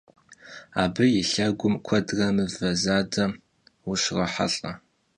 Abı yi lhegum kuedre mıve zade vuşrohelh'e.